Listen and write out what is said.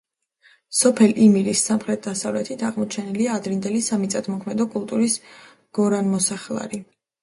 სოფელ იმირის სამხრეთ-დასავლეთით აღმოჩენილია ადრინდელი სამიწათმოქმედო კულტურის გორანამოსახლარი.